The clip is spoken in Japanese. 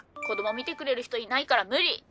「子ども見てくれる人いないから無理」。